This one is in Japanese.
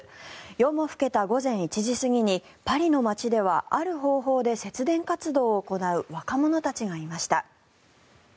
夜も更けた午前１時過ぎにパリの街ではある方法で節電活動を行う若者たちがいました。